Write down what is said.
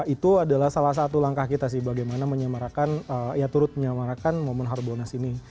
itu adalah salah satu langkah kita sih bagaimana menyamarkan ya turut menyamarkan momen hard bonus ini